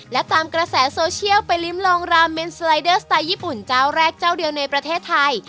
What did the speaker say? และตามกระแสโซเชียลไปลิ้มลองราเมนสไลเดอร์สไตล์ญี่ปุ่นเจ้าแรกเจ้าเดียวในประเทศไทย